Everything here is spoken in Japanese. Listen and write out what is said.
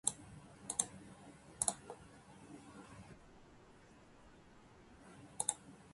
分からないことだけではない